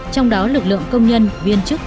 trong đó lực lượng công nhân viên chức